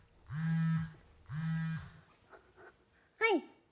はい。